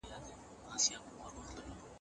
که د چوکونو ګلان اوبه سي، نو ښار نه وچيږي.